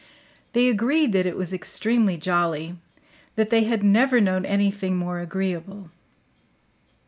They agreed that it was extremely jolly, that they had never known anything more agreeable.